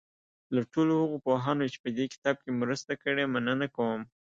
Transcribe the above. له ټولو هغو پوهانو چې په دې کتاب کې مرسته کړې مننه کوم.